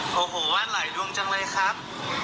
โหโว้งว่าลายดวงจังเลยครับ